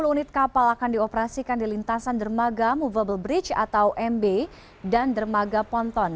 sepuluh unit kapal akan dioperasikan di lintasan dermaga movable bridge atau mb dan dermaga ponton